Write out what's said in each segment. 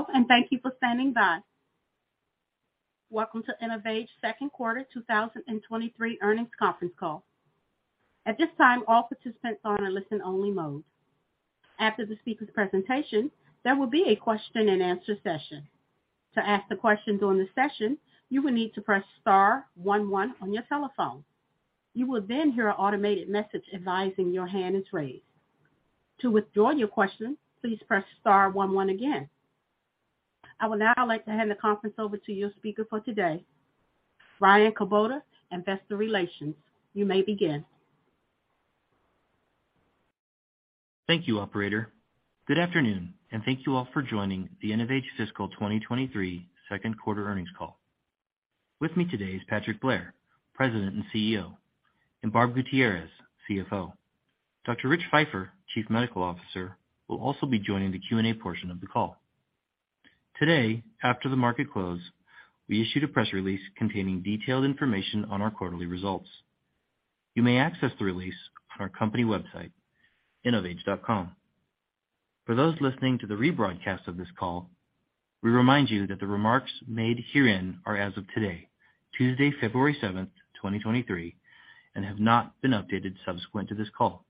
Hello, thank you for standing by. Welcome to InnovAge second quarter 2023 earnings conference call. At this time, all participants are in a listen only mode. After the speaker's presentation, there will be a question and answer session. To ask the question during the session, you will need to press Star One One on your telephone. You will hear an automated message advising your hand is raised. To withdraw your question, please press Star One One again. I would now like to hand the conference over to your speaker for today, Ryan Kubota, Investor Relations. You may begin. Thank you, operator. Good afternoon. Thank you all for joining the InnovAge fiscal 2023 second quarter earnings call. With me today is Patrick Blair, President and CEO, and Barb Gutierrez, CFO. Dr. Rich Feifer, Chief Medical Officer, will also be joining the Q&A portion of the call. Today, after the market close, we issued a press release containing detailed information on our quarterly results. You may access the release on our company website, innovage.com. For those listening to the rebroadcast of this call, we remind you that the remarks made herein are as of today, Tuesday, February 7th, 2023, and have not been updated subsequent to this call.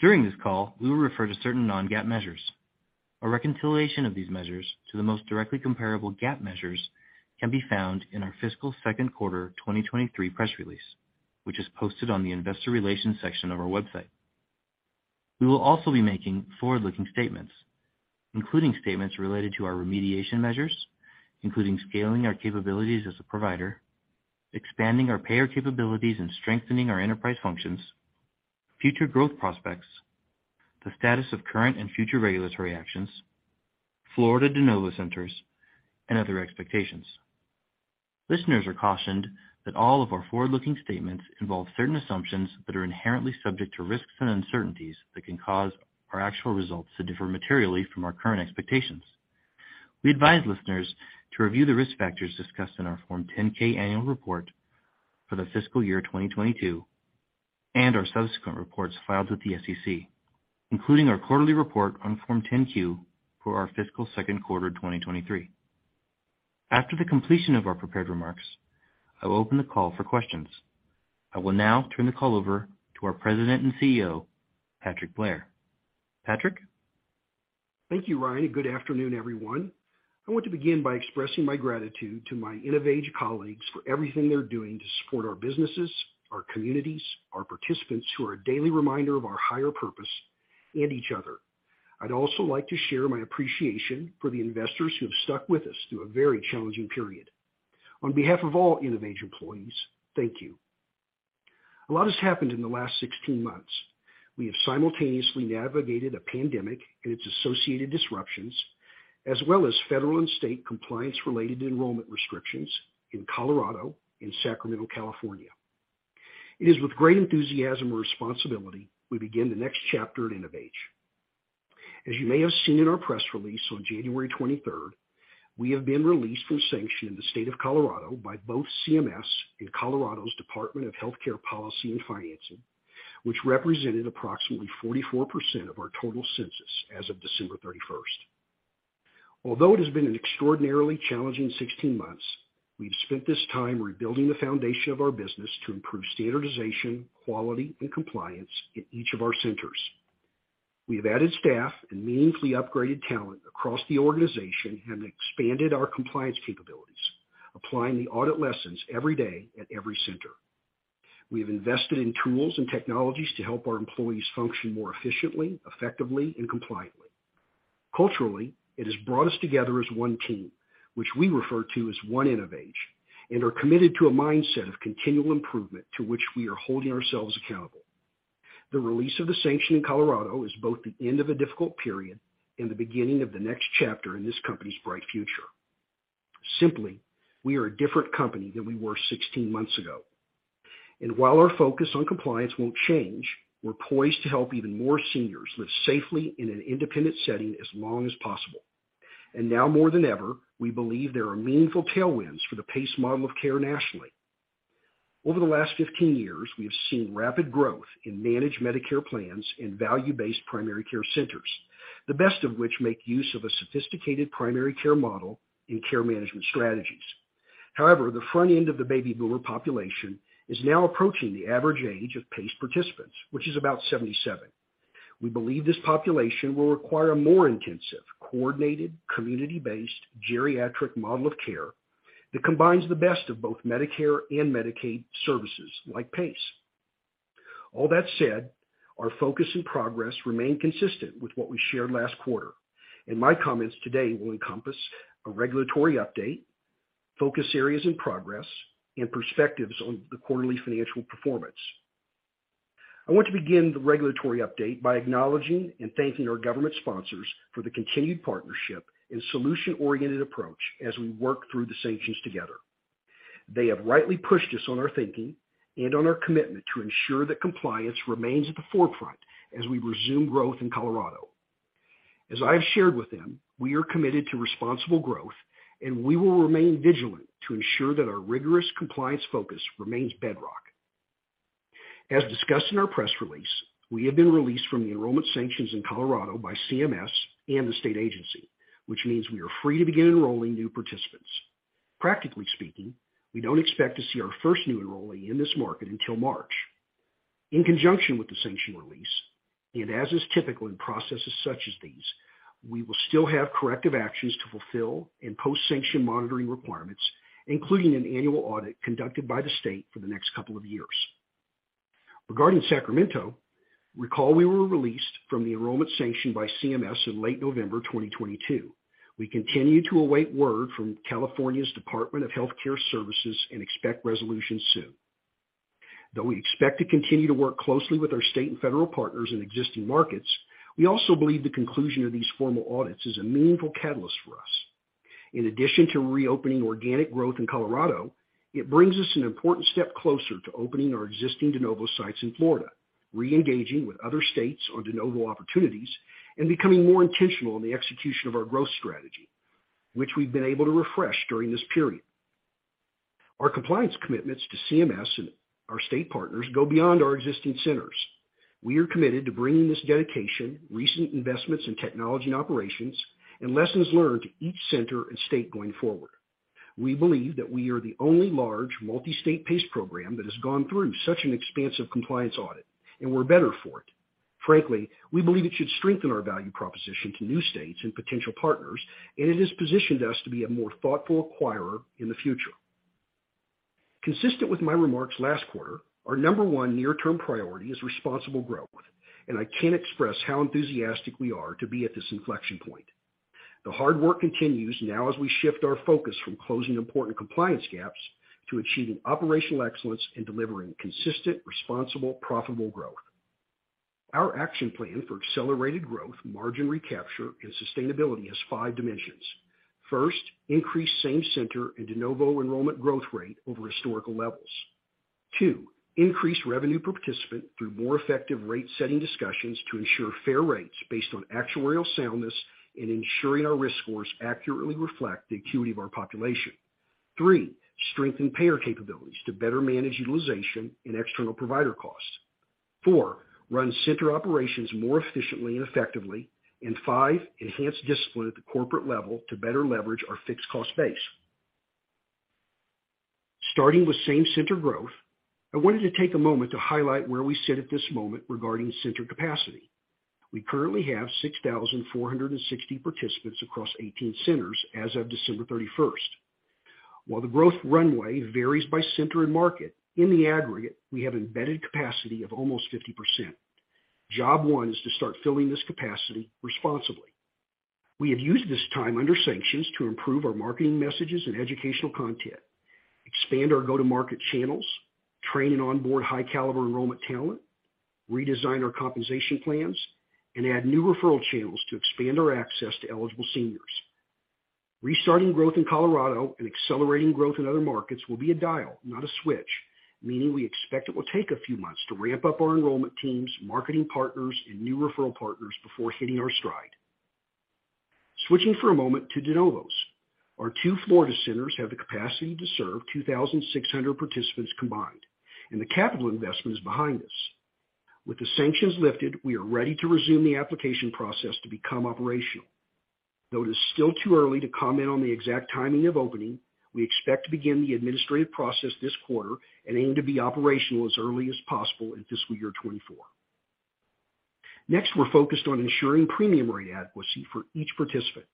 During this call, we will refer to certain non-GAAP measures. A reconciliation of these measures to the most directly comparable GAAP measures can be found in our fiscal second quarter 2023 press release, which is posted on the investor relations section of our website. We will also be making forward-looking statements, including statements related to our remediation measures, including scaling our capabilities as a provider, expanding our payer capabilities and strengthening our enterprise functions, future growth prospects, the status of current and future regulatory actions, Florida de novo centers, and other expectations. Listeners are cautioned that all of our forward-looking statements involve certain assumptions that are inherently subject to risks and uncertainties that can cause our actual results to differ materially from our current expectations. We advise listeners to review the risk factors discussed in our Form 10-K annual report for the fiscal year 2022 and our subsequent reports filed with the SEC, including our quarterly report on Form 10-Q for our fiscal second quarter 2023. After the completion of our prepared remarks, I will open the call for questions. I will now turn the call over to our President and CEO, Patrick Blair. Patrick. Thank you, Ryan. Good afternoon, everyone. I want to begin by expressing my gratitude to my InnovAge colleagues for everything they're doing to support our businesses, our communities, our participants who are a daily reminder of our higher purpose and each other. I'd also like to share my appreciation for the investors who have stuck with us through a very challenging period. On behalf of all InnovAge employees, thank you. A lot has happened in the last 16 months. We have simultaneously navigated a pandemic and its associated disruptions, as well as federal and state compliance related enrollment restrictions in Colorado and Sacramento, California. It is with great enthusiasm and responsibility we begin the next chapter at InnovAge. As you may have seen in our press release on January 23rd, we have been released from sanction in the state of Colorado by both CMS and Colorado Department of Health Care Policy & Financing, which represented approximately 44% of our total census as of December 31st. Although it has been an extraordinarily challenging 16 months, we've spent this time rebuilding the foundation of our business to improve standardization, quality, and compliance in each of our centers. We have added staff and meaningfully upgraded talent across the organization and expanded our compliance capabilities, applying the audit lessons every day at every center. We have invested in tools and technologies to help our employees function more efficiently, effectively, and compliantly. Culturally, it has brought us together as one team, which we refer to as One InnovAge, and are committed to a mindset of continual improvement to which we are holding ourselves accountable. The release of the sanction in Colorado is both the end of a difficult period and the beginning of the next chapter in this company's bright future. Simply, we are a different company than we were 16 months ago. While our focus on compliance won't change, we're poised to help even more seniors live safely in an independent setting as long as possible. Now more than ever, we believe there are meaningful tailwinds for the PACE model of care nationally. Over the last 15 years, we have seen rapid growth in managed Medicare plans and value-based primary care centers, the best of which make use of a sophisticated primary care model and care management strategies. The front end of the baby boomer population is now approaching the average age of PACE participants, which is about 77. We believe this population will require a more intensive, coordinated, community-based geriatric model of care that combines the best of both Medicare and Medicaid services like PACE. All that said, our focus and progress remain consistent with what we shared last quarter, and my comments today will encompass a regulatory update, focus areas and progress, and perspectives on the quarterly financial performance. I want to begin the regulatory update by acknowledging and thanking our government sponsors for the continued partnership and solution-oriented approach as we work through the sanctions together. They have rightly pushed us on our thinking and on our commitment to ensure that compliance remains at the forefront as we resume growth in Colorado. As I have shared with them, we are committed to responsible growth, and we will remain vigilant to ensure that our rigorous compliance focus remains bedrock. As discussed in our press release, we have been released from the enrollment sanctions in Colorado by CMS and the state agency, which means we are free to begin enrolling new participants. Practically speaking, we don't expect to see our first new enrollee in this market until March. In conjunction with the sanction release, and as is typical in processes such as these, we will still have corrective actions to fulfill and post-sanction monitoring requirements, including an annual audit conducted by the state for the next couple of years. Regarding Sacramento, recall we were released from the enrollment sanction by CMS in late November 2022. We continue to await word from California's Department of Health Care Services and expect resolution soon. Though we expect to continue to work closely with our state and federal partners in existing markets, we also believe the conclusion of these formal audits is a meaningful catalyst for us. In addition to reopening organic growth in Colorado, it brings us an important step closer to opening our existing de novo sites in Florida, re-engaging with other states on de novo opportunities, and becoming more intentional in the execution of our growth strategy, which we've been able to refresh during this period. Our compliance commitments to CMS and our state partners go beyond our existing centers. We are committed to bringing this dedication, recent investments in technology and operations, and lessons learned to each center and state going forward. We believe that we are the only large multi-state PACE program that has gone through such an expansive compliance audit, and we're better for it. Frankly, we believe it should strengthen our value proposition to new states and potential partners. It has positioned us to be a more thoughtful acquirer in the future. Consistent with my remarks last quarter, our number one near-term priority is responsible growth. I can't express how enthusiastic we are to be at this inflection point. The hard work continues now as we shift our focus from closing important compliance gaps to achieving operational excellence and delivering consistent, responsible, profitable growth. Our action plan for accelerated growth, margin recapture, and sustainability has five dimensions. First, increase same-center and de novo enrollment growth rate over historical levels. Two, increase revenue per participant through more effective rate-setting discussions to ensure fair rates based on actuarial soundness and ensuring our risk scores accurately reflect the acuity of our population. Three, strengthen payer capabilities to better manage utilization and external provider costs. Four, run center operations more efficiently and effectively. Five, enhance discipline at the corporate level to better leverage our fixed cost base. Starting with same-center growth, I wanted to take a moment to highlight where we sit at this moment regarding center capacity. We currently have 6,460 participants across 18 centers as of December 31st. While the growth runway varies by center and market, in the aggregate, we have embedded capacity of almost 50%. Job one is to start filling this capacity responsibly. We have used this time under sanctions to improve our marketing messages and educational content, expand our go-to-market channels, train and onboard high-caliber enrollment talent, redesign our compensation plans, and add new referral channels to expand our access to eligible seniors. Restarting growth in Colorado and accelerating growth in other markets will be a dial, not a switch, meaning we expect it will take a few months to ramp up our enrollment teams, marketing partners, and new referral partners before hitting our stride. Switching for a moment to de novos. Our two Florida centers have the capacity to serve 2,600 participants combined. The capital investment is behind us. With the sanctions lifted, we are ready to resume the application process to become operational. It is still too early to comment on the exact timing of opening, we expect to begin the administrative process this quarter and aim to be operational as early as possible in fiscal year 2024. We're focused on ensuring premium rate adequacy for each participant.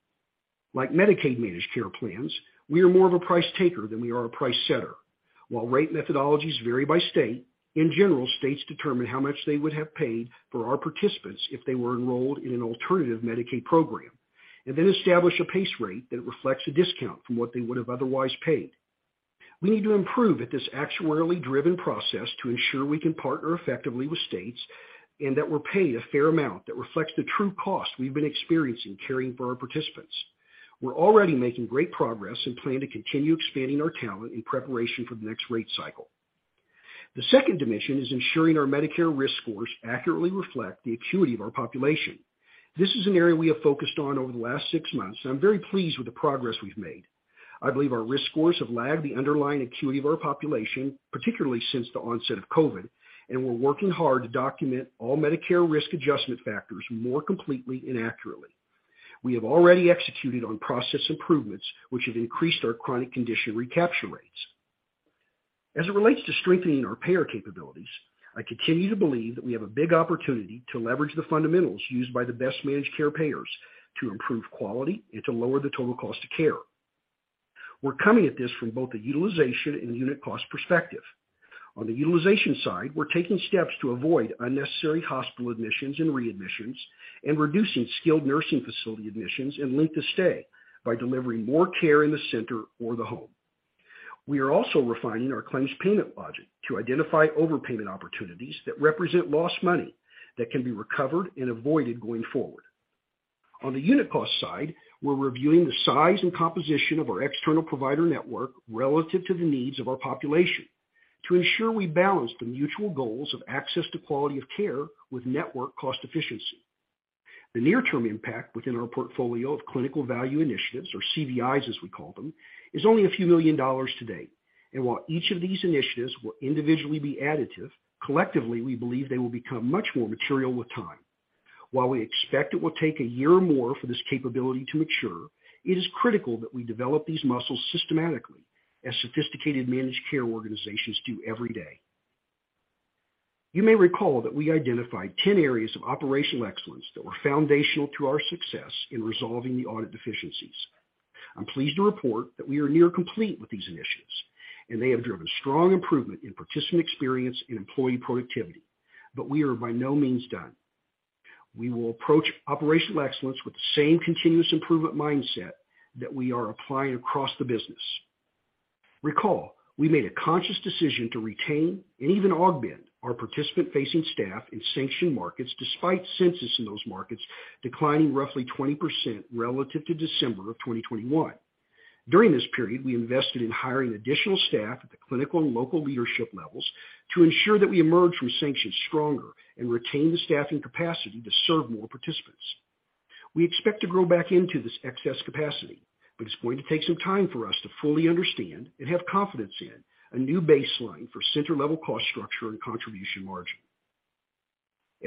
Like Medicaid managed care plans, we are more of a price taker than we are a price setter. While rate methodologies vary by state, in general, states determine how much they would have paid for our participants if they were enrolled in an alternative Medicaid program, and then establish a PACE rate that reflects a discount from what they would have otherwise paid. We need to improve at this actuarially driven process to ensure we can partner effectively with states and that we're paid a fair amount that reflects the true cost we've been experiencing caring for our participants. We're already making great progress and plan to continue expanding our talent in preparation for the next rate cycle. The second dimension is ensuring our Medicare risk scores accurately reflect the acuity of our population. This is an area we have focused on over the last six months. I'm very pleased with the progress we've made. I believe our risk scores have lagged the underlying acuity of our population, particularly since the onset of COVID. We're working hard to document all Medicare risk adjustment factors more completely and accurately. We have already executed on process improvements which have increased our chronic condition recapture rates. As it relates to strengthening our payer capabilities, I continue to believe that we have a big opportunity to leverage the fundamentals used by the best managed care payers to improve quality and to lower the total cost of care. We're coming at this from both a utilization and unit cost perspective. On the utilization side, we're taking steps to avoid unnecessary hospital admissions and readmissions and reducing skilled nursing facility admissions and length of stay by delivering more care in the center or the home. We are also refining our claims payment logic to identify overpayment opportunities that represent lost money that can be recovered and avoided going forward. On the unit cost side, we're reviewing the size and composition of our external provider network relative to the needs of our population to ensure we balance the mutual goals of access to quality of care with network cost efficiency. The near-term impact within our portfolio of clinical value initiatives, or CVIs, as we call them, is only a few million dollars today. While each of these initiatives will individually be additive, collectively, we believe they will become much more material with time. While we expect it will take a year or more for this capability to mature, it is critical that we develop these muscles systematically as sophisticated managed care organizations do every day. You may recall that we identified 10 areas of operational excellence that were foundational to our success in resolving the audit deficiencies. I'm pleased to report that we are near complete with these initiatives, and they have driven strong improvement in participant experience and employee productivity. We are by no means done. We will approach operational excellence with the same continuous improvement mindset that we are applying across the business. Recall, we made a conscious decision to retain and even augment our participant-facing staff in sanctioned markets, despite census in those markets declining roughly 20% relative to December of 2021. During this period, we invested in hiring additional staff at the clinical and local leadership levels to ensure that we emerge from sanctions stronger and retain the staffing capacity to serve more participants. We expect to grow back into this excess capacity, but it's going to take some time for us to fully understand and have confidence in a new baseline for center level cost structure and contribution margin.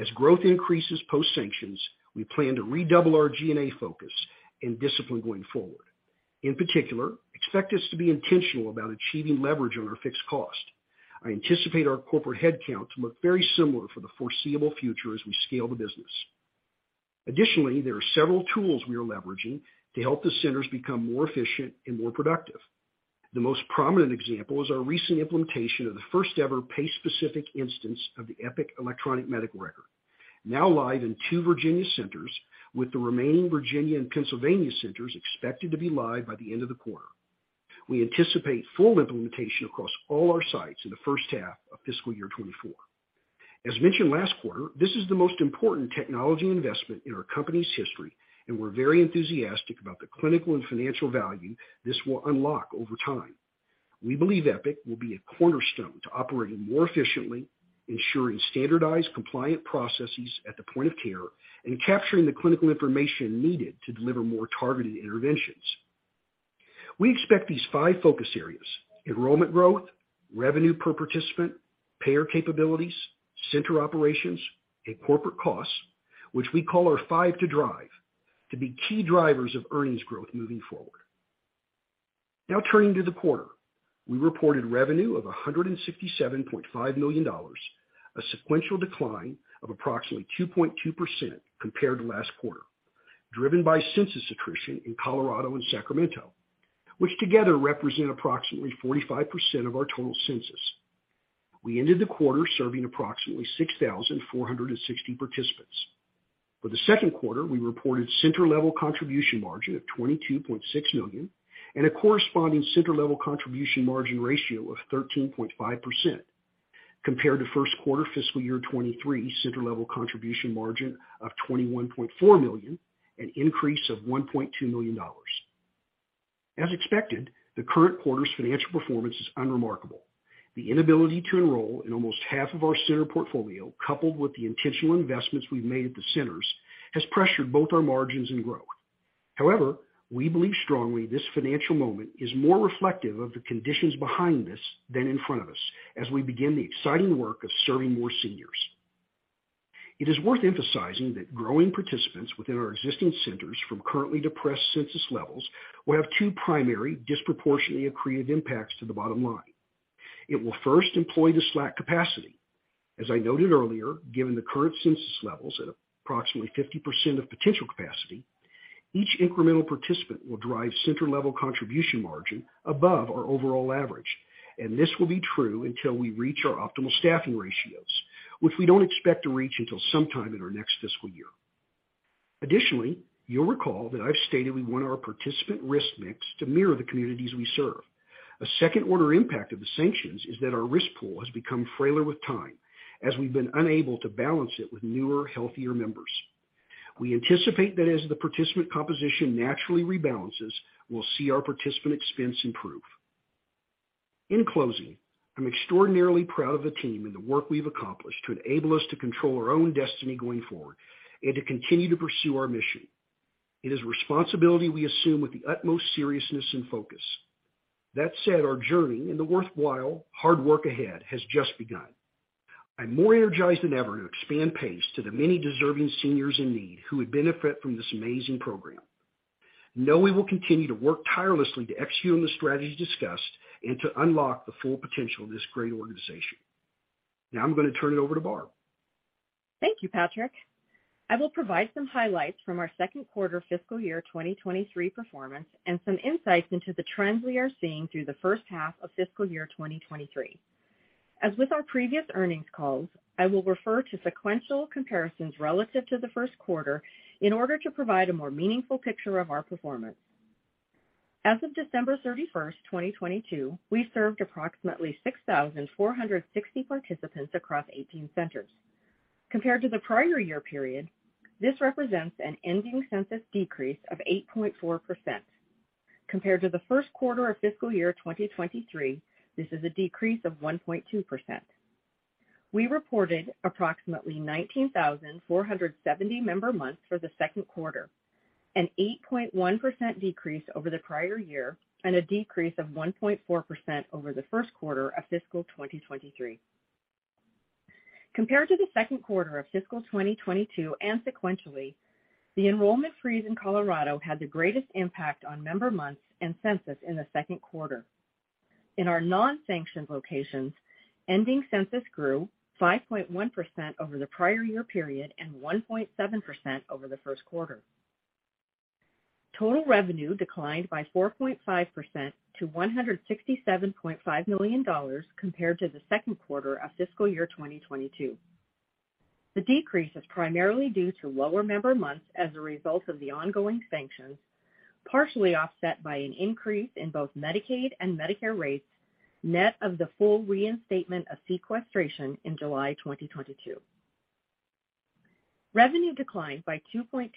As growth increases post-sanctions, we plan to redouble our G&A focus and discipline going forward. In particular, expect us to be intentional about achieving leverage on our fixed cost. I anticipate our corporate headcount to look very similar for the foreseeable future as we scale the business. Additionally, there are several tools we are leveraging to help the centers become more efficient and more productive. The most prominent example is our recent implementation of the first ever PACE-specific instance of the Epic electronic medical record, now live in two Virginia centers, with the remaining Virginia and Pennsylvania centers expected to be live by the end of the quarter. We anticipate full implementation across all our sites in the first half of fiscal year 2024. As mentioned last quarter, this is the most important technology investment in our company's history, and we're very enthusiastic about the clinical and financial value this will unlock over time. We believe Epic will be a cornerstone to operating more efficiently, ensuring standardized, compliant processes at the point of care, and capturing the clinical information needed to deliver more targeted interventions. We expect these five focus areas, enrollment growth, revenue per participant, payer capabilities, center operations, and corporate costs, which we call our five to drive, to be key drivers of earnings growth moving forward. Now turning to the quarter. We reported revenue of $167.5 million, a sequential decline of approximately 2.2% compared to last quarter, driven by census attrition in Colorado and Sacramento, which together represent approximately 45% of our total census. We ended the quarter serving approximately 6,460 participants. For the second quarter, we reported center level contribution margin of $22.6 million and a corresponding center level contribution margin ratio of 13.5% compared to first quarter fiscal year 2023 center level contribution margin of $21.4 million, an increase of $1.2 million. As expected, the current quarter's financial performance is unremarkable. The inability to enroll in almost half of our center portfolio, coupled with the intentional investments we've made at the centers, has pressured both our margins and growth. However, we believe strongly this financial moment is more reflective of the conditions behind us than in front of us as we begin the exciting work of serving more seniors. It is worth emphasizing that growing participants within our existing centers from currently depressed census levels will have two primary disproportionately accretive impacts to the bottom line. It will first employ the slack capacity. As I noted earlier, given the current census levels at approximately 50% of potential capacity, each incremental participant will drive center level contribution margin above our overall average. This will be true until we reach our optimal staffing ratios, which we don't expect to reach until sometime in our next fiscal year. Additionally, you'll recall that I've stated we want our participant risk mix to mirror the communities we serve. A second order impact of the sanctions is that our risk pool has become frailer with time as we've been unable to balance it with newer, healthier members. We anticipate that as the participant composition naturally rebalances, we'll see our participant expense improve. In closing, I'm extraordinarily proud of the team and the work we've accomplished to enable us to control our own destiny going forward and to continue to pursue our mission. It is a responsibility we assume with the utmost seriousness and focus. That said, our journey and the worthwhile hard work ahead has just begun. I'm more energized than ever to expand PACE to the many deserving seniors in need who would benefit from this amazing program. Know we will continue to work tirelessly to execute on the strategies discussed and to unlock the full potential of this great organization. Now I'm going to turn it over to Barb. Thank you, Patrick. I will provide some highlights from our second quarter fiscal year 2023 performance and some insights into the trends we are seeing through the first half of fiscal year 2023. As with our previous earnings calls, I will refer to sequential comparisons relative to the first quarter in order to provide a more meaningful picture of our performance. As of December 31st, 2022, we served approximately 6,460 participants across 18 centers. Compared to the prior year period, this represents an ending census decrease of 8.4%. Compared to the first quarter of fiscal year 2023, this is a decrease of 1.2%. We reported approximately 19,470 member months for the second quarter, an 8.1% decrease over the prior year and a decrease of 1.4% over the first quarter of fiscal 2023. Compared to the second quarter of fiscal 2022 and sequentially, the enrollment freeze in Colorado had the greatest impact on member months and census in the second quarter. In our non-sanctioned locations, ending census grew 5.1% over the prior year period and 1.7% over the first quarter. Total revenue declined by 4.5% to $167.5 million compared to the second quarter of fiscal year 2022. The decrease is primarily due to lower member months as a result of the ongoing sanctions, partially offset by an increase in both Medicaid and Medicare rates, net of the full reinstatement of sequestration in July 2022. Revenue declined by 2.2%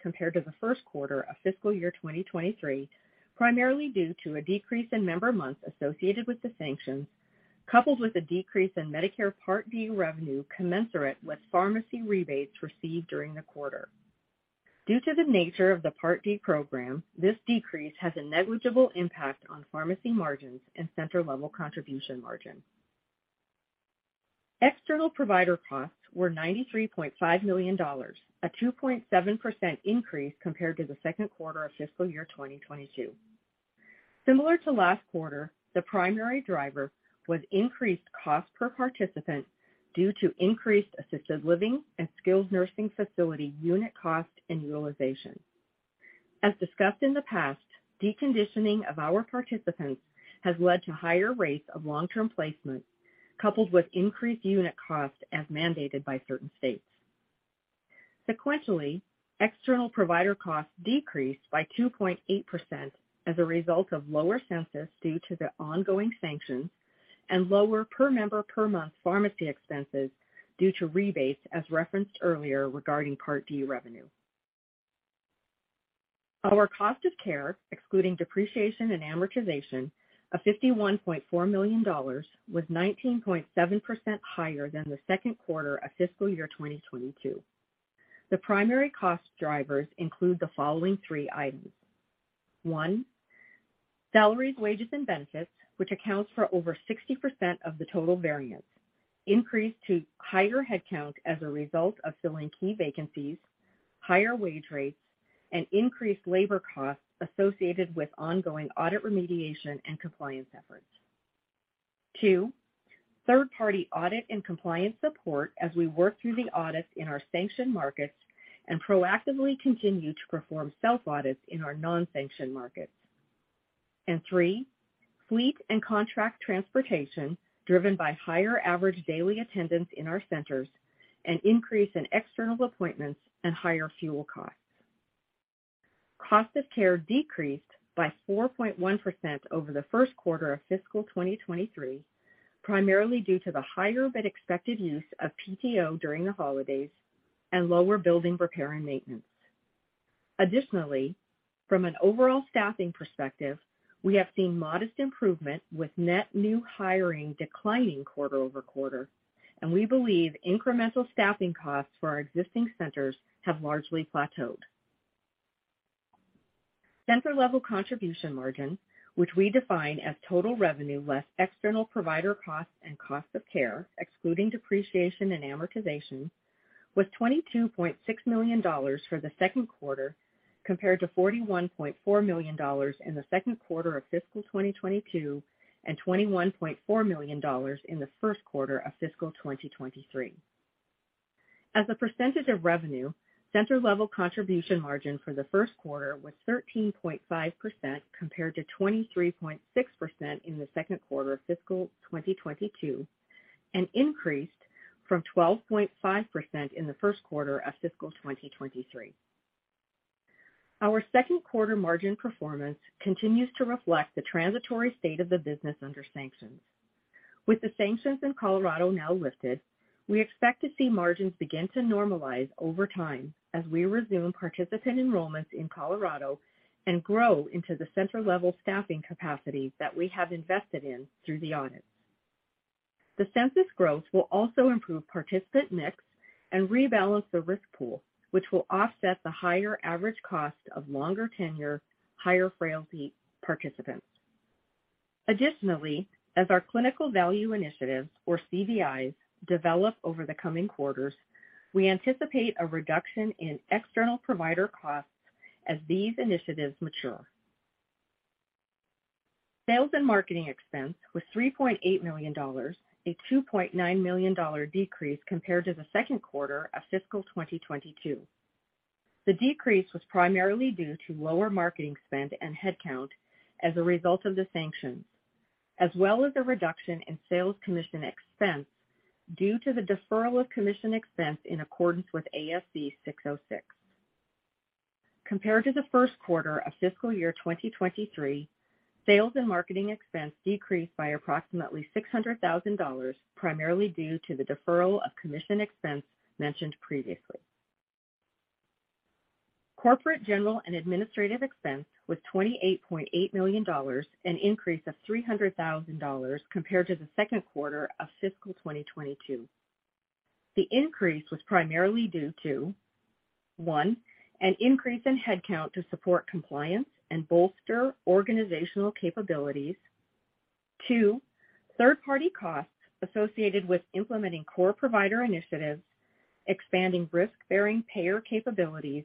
compared to the first quarter of fiscal year 2023, primarily due to a decrease in member months associated with the sanctions, coupled with a decrease in Medicare Part D revenue commensurate with pharmacy rebates received during the quarter. Due to the nature of the Part D program, this decrease has a negligible impact on pharmacy margins and center level contribution margin. External provider costs were $93.5 million, a 2.7% increase compared to the second quarter of fiscal year 2022. Similar to last quarter, the primary driver was increased cost per participant due to increased assisted living and skilled nursing facility unit cost and utilization. As discussed in the past, deconditioning of our participants has led to higher rates of long-term placement, coupled with increased unit costs as mandated by certain states. Sequentially, external provider costs decreased by 2.8% as a result of lower census due to the ongoing sanctions and lower per member per month pharmacy expenses due to rebates, as referenced earlier regarding Part D revenue. Our cost of care, excluding depreciation and amortization of $51.4 million, was 19.7% higher than the second quarter of fiscal year 2022. The primary cost drivers include the following three items. One, salaries, wages, and benefits, which accounts for over 60% of the total variance, increased to higher headcount as a result of filling key vacancies, higher wage rates, and increased labor costs associated with ongoing audit remediation and compliance efforts. Two, third-party audit and compliance support as we work through the audits in our sanctioned markets and proactively continue to perform self-audits in our non-sanctioned markets. Three, fleet and contract transportation driven by higher average daily attendance in our centers, an increase in external appointments and higher fuel costs. Cost of care decreased by 4.1% over the first quarter of fiscal 2023, primarily due to the higher but expected use of PTO during the holidays and lower building repair and maintenance. Additionally, from an overall staffing perspective, we have seen modest improvement with net new hiring declining quarter-over-quarter, and we believe incremental staffing costs for our existing centers have largely plateaued. Center level contribution margin, which we define as total revenue less external provider costs and cost of care, excluding depreciation and amortization, was $22.6 million for the second quarter, compared to $41.4 million in the second quarter of fiscal 2022 and $21.4 million in the first quarter of fiscal 2023. As a percentage of revenue, center level contribution margin for the first quarter was 13.5% compared to 23.6% in the second quarter of fiscal 2022 and increased from 12.5% in the first quarter of fiscal 2023. Our second quarter margin performance continues to reflect the transitory state of the business under sanctions. With the sanctions in Colorado now lifted, we expect to see margins begin to normalize over time as we resume participant enrollments in Colorado and grow into the center level staffing capacity that we have invested in through the audits. The census growth will also improve participant mix and rebalance the risk pool, which will offset the higher average cost of longer tenure, higher frailty participants. Additionally, as our clinical value initiatives or CVIs develop over the coming quarters, we anticipate a reduction in external provider costs as these initiatives mature. Sales and marketing expense was $3.8 million, a $2.9 million decrease compared to the second quarter of fiscal 2022. The decrease was primarily due to lower marketing spend and headcount as a result of the sanctions, as well as a reduction in sales commission expense due to the deferral of commission expense in accordance with ASC 606. Compared to the first quarter of fiscal year 2023, sales and marketing expense d ecreased by approximately $600,000, primarily due to the deferral of commission expense mentioned previously. Corporate General and Administrative expense was $28.8 million, an increase of $300,000 compared to the second quarter of fiscal 2022. The increase was primarily due to, one, an increase in headcount to support compliance and bolster organizational capabilities. Two, third-party costs associated with implementing core provider initiatives, expanding risk-bearing payer capabilities,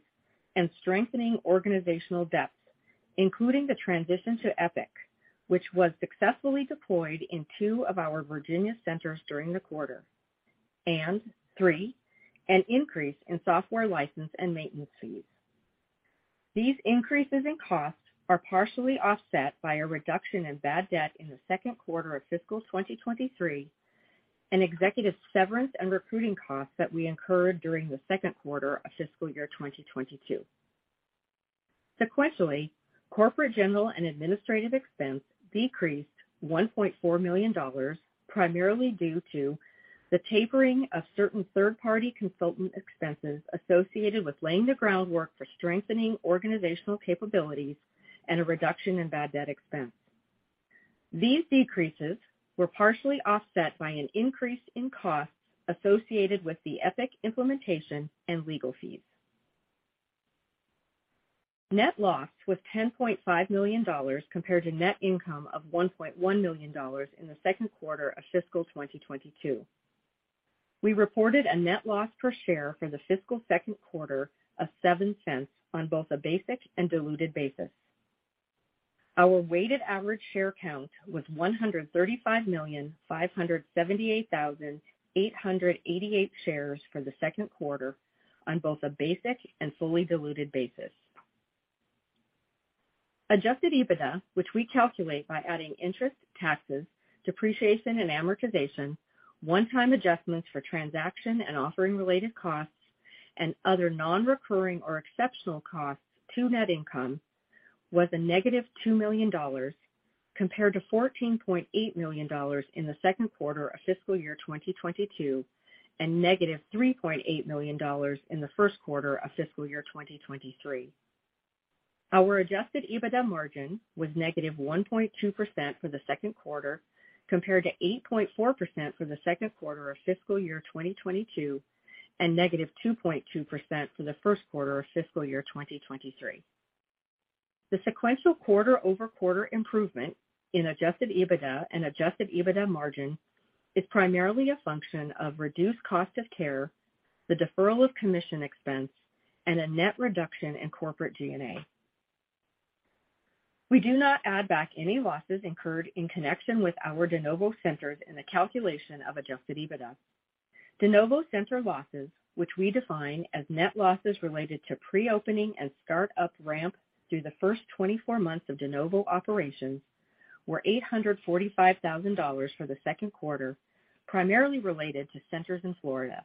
and strengthening organizational depth, including the transition to Epic, which was successfully deployed in two of our Virginia centers during the quarter. Three, an increase in software license and maintenance fees. These increases in costs are partially offset by a reduction in bad debt in the second quarter of fiscal 2023, and executive severance and recruiting costs that we incurred during the second quarter of fiscal year 2022. Sequentially, corporate general and administrative expense decreased $1.4 million, primarily due to the tapering of certain third-party consultant expenses associated with laying the groundwork for strengthening organizational capabilities and a reduction in bad debt expense. These decreases were partially offset by an increase in costs associated with the Epic implementation and legal fees. Net loss was $10.5 million compared to net income of $1.1 million in the second quarter of fiscal 2022. We reported a net loss per share for the fiscal second quarter of $0.07 on both a basic and diluted basis. Our weighted average share count was 135,578,888 shares for the second quarter on both a basic and fully diluted basis. Adjusted EBITDA, which we calculate by adding interest, taxes, depreciation, and amortization, one-time adjustments for transaction and offering related costs, and other non-recurring or exceptional costs to net income, was a negative $2 million compared to $14.8 million in the second quarter of fiscal year 2022 and negative $3.8 million in the first quarter of fiscal year 2023. Our Adjusted EBITDA margin was -1.2% for the second quarter, compared to 8.4% for the second quarter of fiscal year 2022 and -2.2% for the first quarter of fiscal year 2023. The sequential quarter-over-quarter improvement in Adjusted EBITDA and Adjusted EBITDA margin is primarily a function of reduced cost of care, the deferral of commission expense, and a net reduction in corporate G&A. We do not add back any losses incurred in connection with our de novo centers in the calculation of Adjusted EBITDA. De novo center losses, which we define as net losses related to pre-opening and start-up ramp through the first 24 months of de novo operations, were $845,000 for the second quarter, primarily related to centers in Florida.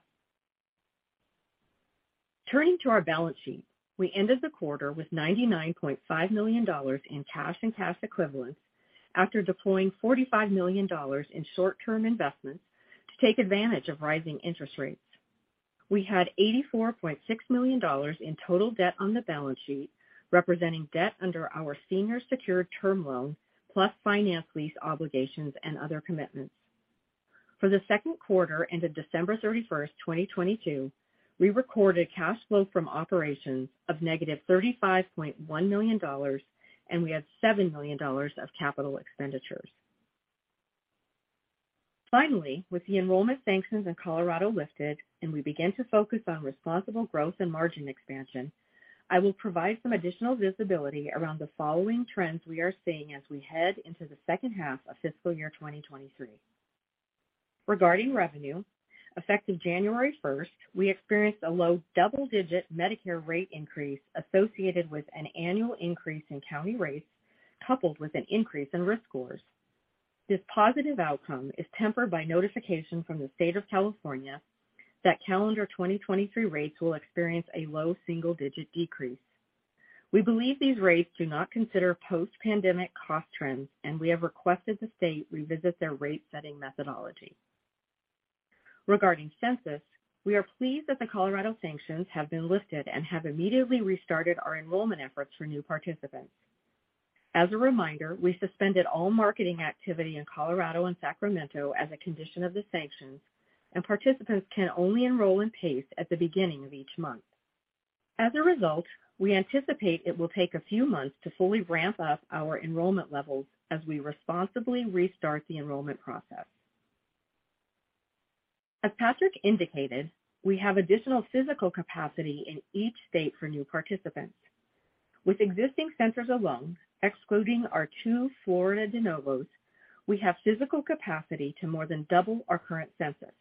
Turning to our balance sheet, we ended the quarter with $99.5 million in cash and cash equivalents after deploying $45 million in short-term investments to take advantage of rising interest rates. We had $84.6 million in total debt on the balance sheet, representing debt under our senior secured term loan, plus finance lease obligations and other commitments. For the second quarter ended December 31st, 2022, we recorded cash flow from operations of negative $35.1 million, and we had $7 million of capital expenditures. Finally, with the enrollment sanctions in Colorado lifted, and we begin to focus on responsible growth and margin expansion, I will provide some additional visibility around the following trends we are seeing as we head into the second half of fiscal year 2023. Regarding revenue, effective January 1st, we experienced a low double-digit Medicare rate increase associated with an annual increase in county rates coupled with an increase in risk scores. This positive outcome is tempered by notification from the State of California that calendar 2023 rates will experience a low single-digit decrease. We believe these rates do not consider post-pandemic cost trends. We have requested the state revisit their rate-setting methodology. Regarding census, we are pleased that the Colorado sanctions have been lifted. We have immediately restarted our enrollment efforts for new participants. As a reminder, we suspended all marketing activity in Colorado and Sacramento as a condition of the sanctions. Participants can only enroll in PACE at the beginning of each month. As a result, we anticipate it will take a few months to fully ramp up our enrollment levels as we responsibly restart the enrollment process. As Patrick indicated, we have additional physical capacity in each state for new participants. With existing centers alone, excluding our two Florida de novos, we have physical capacity to more than double our current census.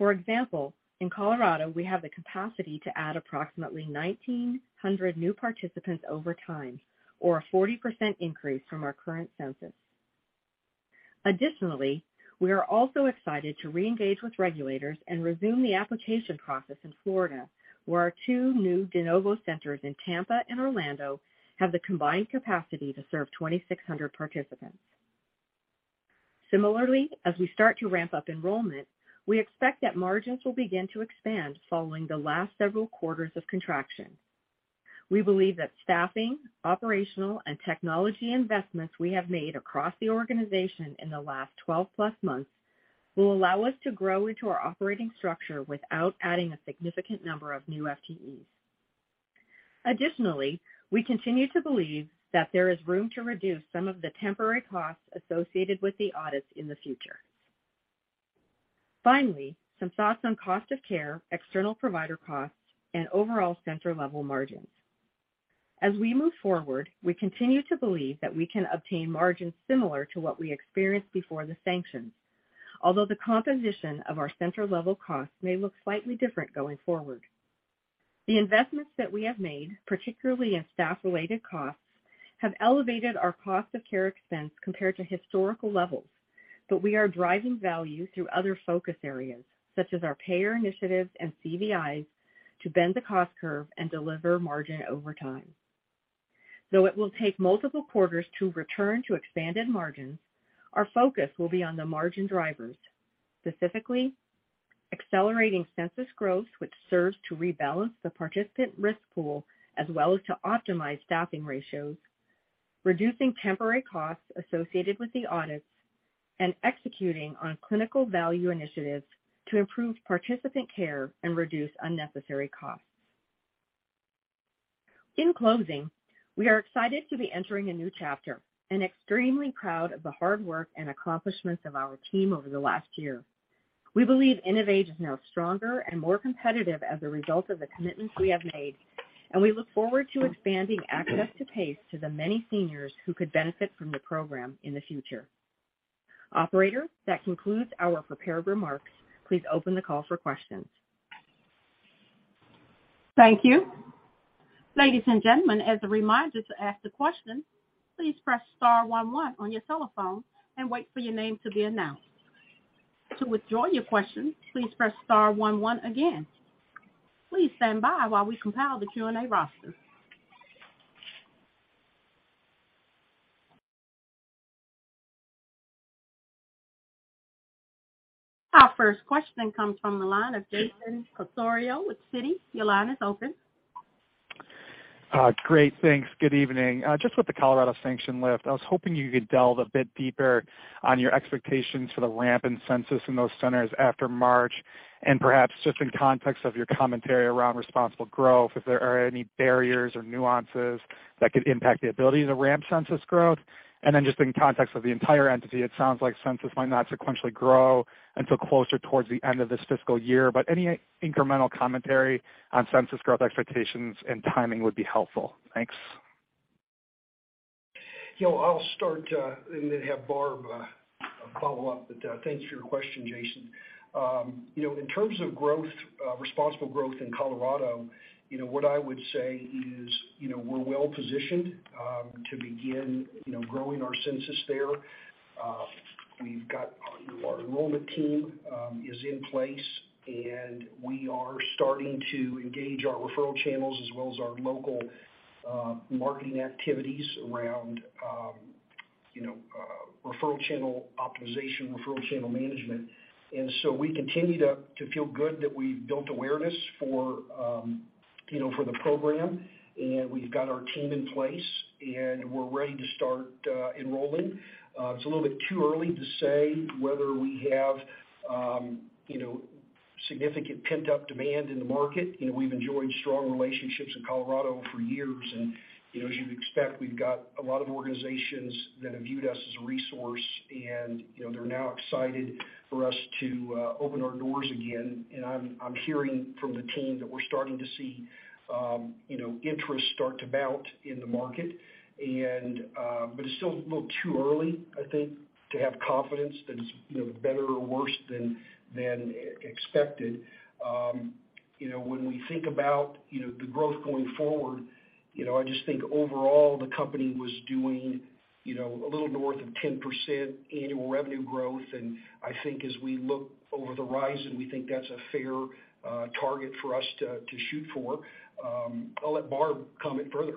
For example, in Colorado, we have the capacity to add approximately 1,900 new participants over time or a 40% increase from our current census. Additionally, we are also excited to reengage with regulators and resume the application process in Florida, where our two new de novo centers in Tampa and Orlando have the combined capacity to serve 2,600 participants. Similarly, as we start to ramp up enrollment, we expect that margins will begin to expand following the last several quarters of contraction. We believe that staffing, operational, and technology investments we have made across the organization in the last 12 plus months will allow us to grow into our operating structure without adding a significant number of new FTEs. Additionally, we continue to believe that there is room to reduce some of the temporary costs associated with the audits in the future. Finally, some thoughts on cost of care, external provider costs, and overall center level margins. As we move forward, we continue to believe that we can obtain margins similar to what we experienced before the sanctions. Although the composition of our center level costs may look slightly different going forward. The investments that we have made, particularly in staff related costs, have elevated our cost of care expense compared to historical levels. We are driving value through other focus areas, such as our payer initiatives and CVIs to bend the cost curve and deliver margin over time. Though it will take multiple quarters to return to expanded margins, our focus will be on the margin drivers. Specifically, accelerating census growth, which serves to rebalance the participant risk pool as well as to optimize staffing ratios, reducing temporary costs associated with the audits, and executing on clinical value initiatives to improve participant care and reduce unnecessary costs. In closing, we are excited to be entering a new chapter and extremely proud of the hard work and accomplishments of our team over the last year. We believe InnovAge is now stronger and more competitive as a result of the commitments we have made, and we look forward to expanding access to PACE to the many seniors who could benefit from the program in the future. Operator, that concludes our prepared remarks. Please open the call for questions. Thank you. Ladies and gentlemen, as a reminder to ask the question, please press Star One One on your telephone and wait for your name to be announced. To withdraw your question, please press Star One One again. Please stand by while we compile the Q&A roster. Our first question comes from the line of Jason Cassorla with Citi. Your line is open. Great, thanks. Good evening. Just with the Colorado sanction lift, I was hoping you could delve a bit deeper on your expectations for the ramp in census in those centers after March. Perhaps just in context of your commentary around responsible growth, if there are any barriers or nuances that could impact the ability to ramp census growth. Just in context of the entire entity, it sounds like census might not sequentially grow until closer towards the end of this fiscal year. Any incremental commentary on census growth expectations and timing would be helpful. Thanks. You know, I'll start, and then have Barb follow up. Thanks for your question, Jason. You know, in terms of growth, responsible growth in Colorado, you know, what I would say is, you know, we're well positioned to begin, you know, growing our census there. We've got our enrollment team is in place, and we are starting to engage our referral channels as well as our local marketing activities around, you know, referral channel optimization, referral channel management. We continue to feel good that we've built awareness for, you know, for the program. We've got our team in place, and we're ready to start enrolling. It's a little bit too early to say whether we have, you know, significant pent-up demand in the market. You know, we've enjoyed strong relationships in Colorado for years. You know, as you'd expect, we've got a lot of organizations that have viewed us as a resource, and, you know, they're now excited for us to open our doors again. I'm hearing from the team that we're starting to see, you know, interest start to mount in the market. It's still a little too early, I think, to have confidence that it's, you know, better or worse than expected. You know, when we think about, you know, the growth going forward, you know, I just think overall the company was doing, you know, a little north of 10% annual revenue growth. I think as we look over the horizon, we think that's a fair target for us to shoot for. I'll let Barb comment further.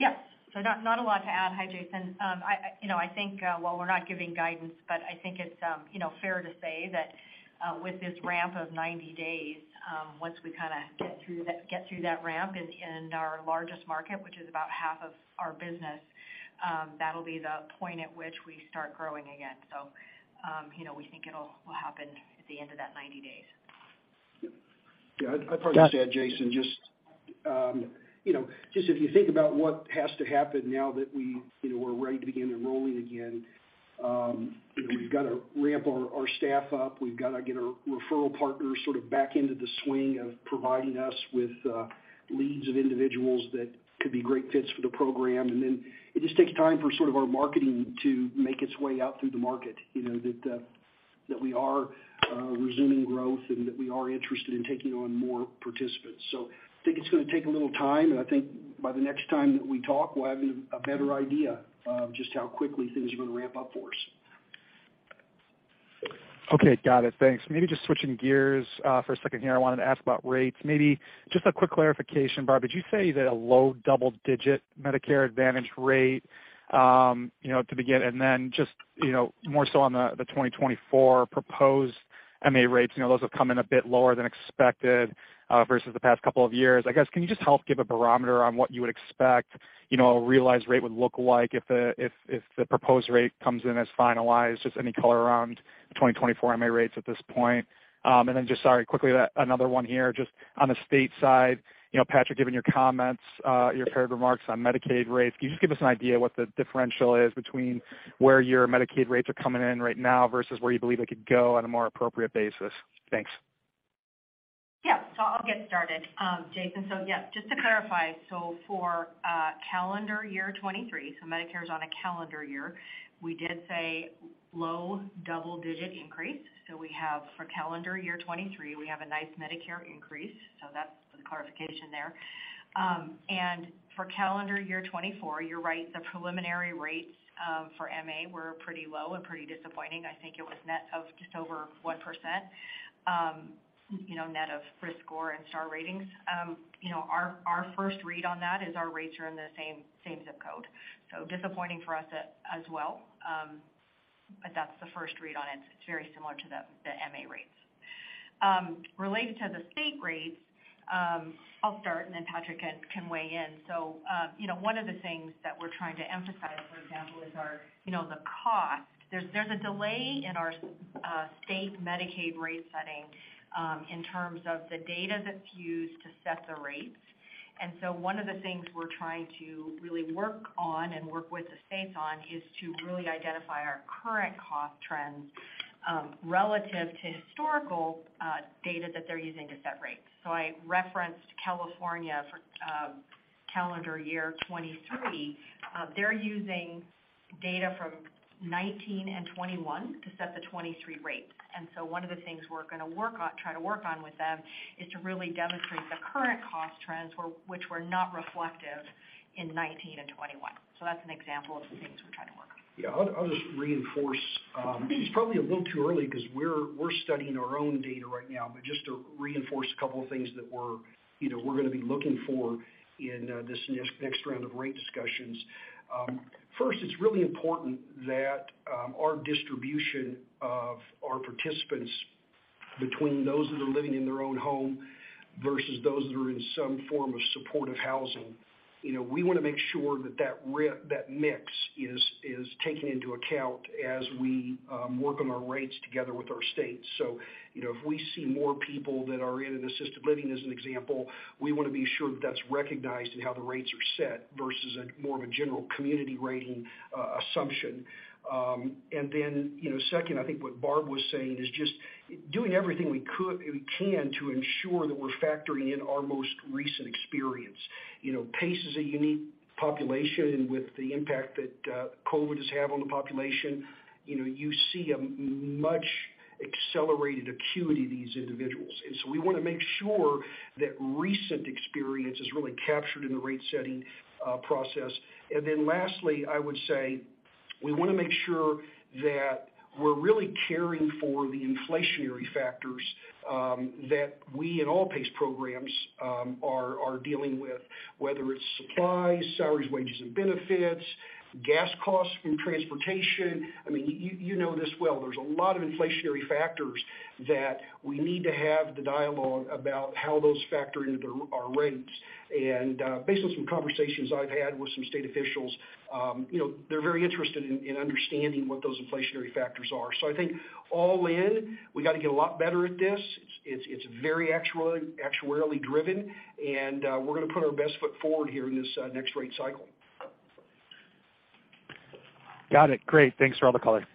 Yes. Not, not a lot to add. Hey, Jason. I, you know, I think, while we're not giving guidance, but I think it's, you know, fair to say that with this ramp of 90 days, once we kind of get through that ramp in our largest market, which is about half of our business, that'll be the point at which we start growing again. You know, we think it'll happen at the end of that 90 days. Yeah, I'd probably just add, Jason, just, you know, just if you think about what has to happen now that we, you know, we're ready to begin enrolling again, we've got to ramp our staff up. We've got to get our referral partners sort of back into the swing of providing us with leads of individuals that could be great fits for the program. It just takes time for sort of our marketing to make its way out through the market, you know, that we are resuming growth and that we are interested in taking on more participants. I think it's going to take a little time, and I think by the next time that we talk, we'll have a better idea of just how quickly things are going to ramp up for us. Okay. Got it. Thanks. Maybe just switching gears for a second here. I wanted to ask about rates. Maybe just a quick clarification, Barb, did you say that a low double digit Medicare Advantage rate, you know, to begin and then just, you know, more so on the 2024 proposed MA rates, you know, those have come in a bit lower than expected versus the past couple of years. I guess, can you just help give a barometer on what you would expect, you know, a realized rate would look like if the proposed rate comes in as finalized? Just any color around the 2024 MA rates at this point. Just sorry, quickly another one here. Just on the state side, you know, Patrick, given your comments, your prepared remarks on Medicaid rates, can you just give us an idea what the differential is between where your Medicaid rates are coming in right now versus where you believe they could go on a more appropriate basis? Thanks. I'll get started, Jason. Just to clarify. For calendar year 2023, Medicare is on a calendar year, we did say low double-digit increase. We have for calendar year 2023, we have a nice Medicare increase, that's the clarification there. For calendar year 2024, you're right, the preliminary rates for MA were pretty low and pretty disappointing. I think it was net of just over 1%, you know, net of risk score and star ratings. You know, our first read on that is our rates are in the same zip code. Disappointing for us as well. That's the first read on it. It's very similar to the MA rates. Related to the state rates, I'll start and then Patrick can weigh in. You know, one of the things that we're trying to emphasize, for example, is our, you know, the cost. There's a delay in our state Medicaid rate setting in terms of the data that's used to set the rates. One of the things we're trying to really work on and work with the states on is to really identify our current cost trends relative to historical data that they're using to set rates. I referenced California for calendar year 2023. They're using data from 2019 and 2021 to set the 2023 rates. One of the things we're gonna try to work on with them is to really demonstrate the current cost trends which were not reflective in 2019 and 2021. That's an example of the things we're trying to work on. Yeah, I'll just reinforce. It's probably a little too early because we're studying our own data right now, but just to reinforce a couple of things that we're, you know, we're gonna be looking for in this next round of rate discussions. First, it's really important that our distribution of our participants between those that are living in their own home versus those that are in some form of supportive housing. You know, we wanna make sure that that mix is taken into account as we work on our rates together with our states. You know, if we see more people that are in an assisted living, as an example, we wanna be sure that that's recognized in how the rates are set versus a more of a general community rating assumption. You know, second, I think what Barb was saying is just doing everything we can to ensure that we're factoring in our most recent experience. You know, PACE is a unique population. With the impact that COVID has had on the population, you know, you see a much accelerated acuity in these individuals. So we wanna make sure that recent experience is really captured in the rate setting process. Lastly, I would say we wanna make sure that we're really caring for the inflationary factors that we in all PACE programs are dealing with, whether it's supplies, salaries, wages and benefits, gas costs from transportation. I mean, you know this well. There's a lot of inflationary factors that we need to have the dialogue about how those factor into our rates. Based on some conversations I've had with some state officials, you know, they're very interested in understanding what those inflationary factors are. I think all in, we got to get a lot better at this. It's very actuarially driven, and we're gonna put our best foot forward here in this next rate cycle. Got it. Great. Thanks for all the color.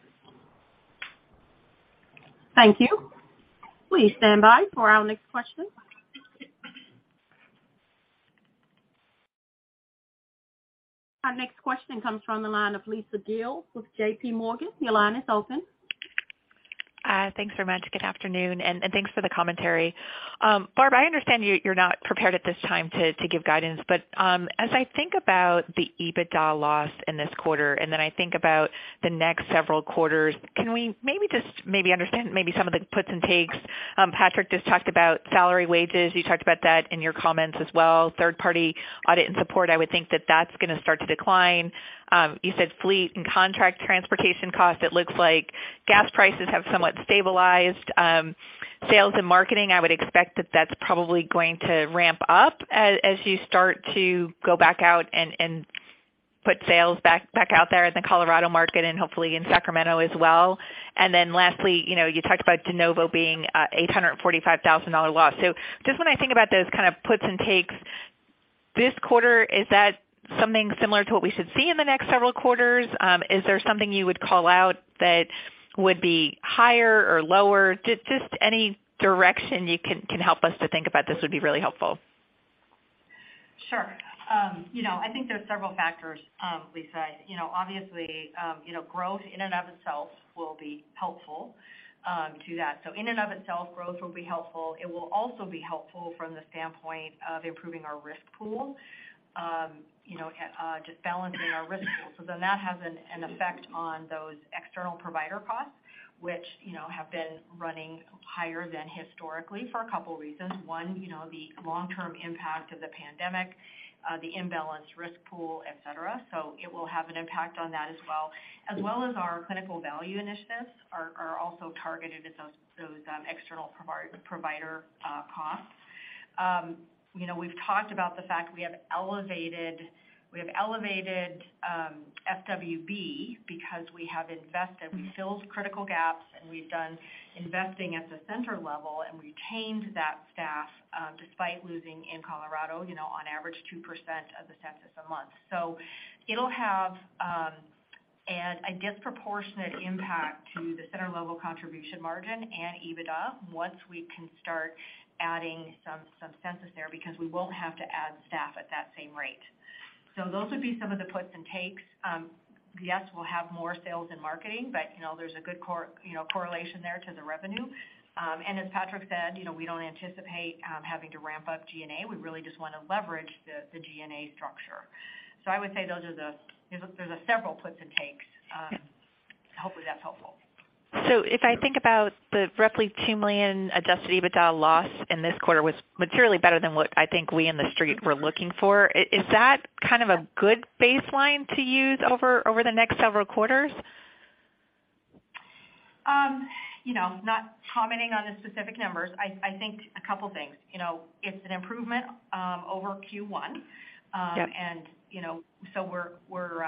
Thank you. Please stand by for our next question. Our next question comes from the line of Lisa Gill with J.P. Morgan. Your line is open. Thanks very much. Good afternoon, and thanks for the commentary. Barb, I understand you're not prepared at this time to give guidance, but as I think about the EBITDA loss in this quarter, then I think about the next several quarters, can we maybe just understand maybe some of the puts and takes? Patrick just talked about salary wages. You talked about that in your comments as well. Third party audit and support. I would think that that's gonna start to decline. You said fleet and contract transportation costs. It looks like gas prices have somewhat stabilized. Sales and marketing, I would expect that that's probably going to ramp up as you start to go back out and put sales back out there in the Colorado market and hopefully in Sacramento as well. Lastly, you know, you talked about de novo being $845,000 loss. Just when I think about those kind of puts and takes this quarter, is that something similar to what we should see in the next several quarters? Is there something you would call out that would be higher or lower? Just any direction you can help us to think about this would be really helpful. Sure. You know, I think there are several factors, Lisa. You know, obviously, you know, growth in and of itself will be helpful to that. In and of itself, growth will be helpful. It will also be helpful from the standpoint of improving our risk pool, you know, just balancing our risk pool. That has an effect on those external provider costs. You know, have been running higher than historically for a couple reasons. One, you know, the long-term impact of the pandemic, the imbalanced risk pool, et cetera. It will have an impact on that as well, as well as our clinical value initiatives are also targeted at those external provider costs. You know, we've talked about the fact we have elevated FWB because we have invested. We filled critical gaps, we've done investing at the center level, and retained that staff, despite losing in Colorado, you know, on average 2% of the census a month. It'll have a disproportionate impact to the center level contribution margin and EBITDA once we can start adding some census there, because we won't have to add staff at that same rate. Those would be some of the puts and takes. We'll have more sales in marketing, but, you know, there's a good correlation there to the revenue. As Patrick said, you know, we don't anticipate having to ramp up G&A. We really just wanna leverage the G&A structure. I would say there's several puts and takes. Hopefully that's helpful. If I think about the roughly $2 million Adjusted EBITDA loss in this quarter was materially better than what I think we in the street were looking for. Is that kind of a good baseline to use over the next several quarters? You know, not commenting on the specific numbers. I think a couple things. You know, it's an improvement over Q1. Yeah. You know, we're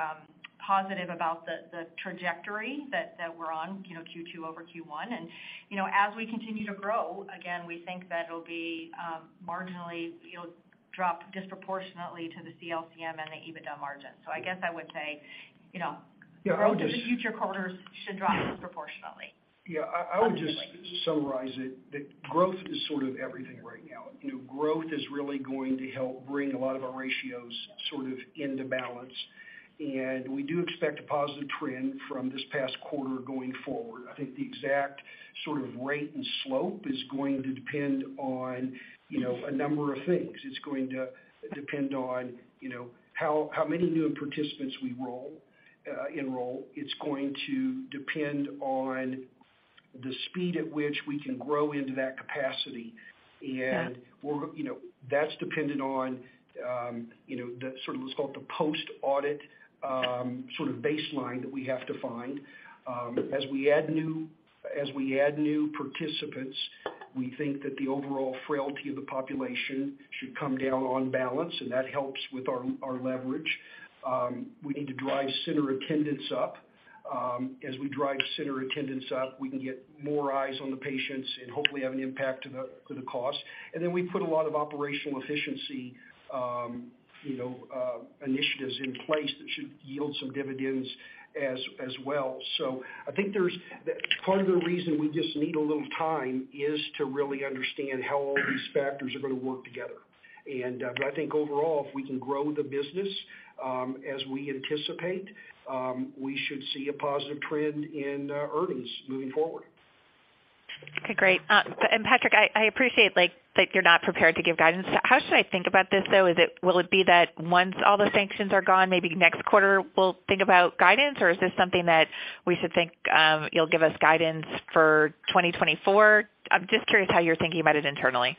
positive about the trajectory that we're on, you know, Q2 over Q1. You know, as we continue to grow, again, we think that it'll be marginally, you know, drop disproportionately to the CLCM and the EBITDA margin. I guess I would say, you know. Yeah, I would. Growth in the future quarters should drop disproportionately. Yeah. I would just summarize it that growth is sort of everything right now. You know, growth is really going to help bring a lot of our ratios sort of into balance. We do expect a positive trend from this past quarter going forward. I think the exact sort of rate and slope is going to depend on, you know, a number of things. It's going to depend on, you know, how many new participants we roll, enroll. It's going to depend on the speed at which we can grow into that capacity. Yeah. You know, that's dependent on, you know, the sort of what's called the post-audit, sort of baseline that we have to find. As we add new participants, we think that the overall frailty of the population should come down on balance, and that helps with our leverage. We need to drive center attendance up. As we drive center attendance up, we can get more eyes on the patients and hopefully have an impact to the cost. Then we put a lot of operational efficiency, you know, initiatives in place that should yield some dividends as well. I think part of the reason we just need a little time is to really understand how all these factors are gonna work together. I think overall, if we can grow the business, as we anticipate, we should see a positive trend in earnings moving forward. Okay, great. Patrick, I appreciate, like, that you're not prepared to give guidance. How should I think about this, though? Will it be that once all the sanctions are gone, maybe next quarter we'll think about guidance? Is this something that we should think, you'll give us guidance for 2024? I'm just curious how you're thinking about it internally.